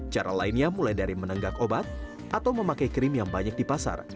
cara lainnya mulai dari menenggak obat atau memakai krim yang banyak di pasar